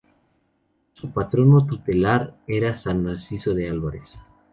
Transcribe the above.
Su patrono tutelar era San Narciso de Álvarez.